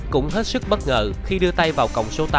cũng hết sức bất ngờ khi đưa tay vào cổng số tám